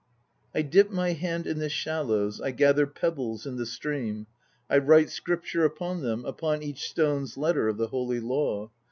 I dip my hand in the shallows, I gather pebbles in the stream. I write Scripture upon them, Upon each stone a letter of the Holy Law.